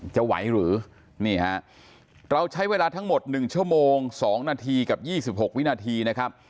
จะไหวหรือนี่ฮะเราใช้เวลาทั้งหมด๑ชั่วโมง๒นาทีกับ๒๖วินาทีนะครับ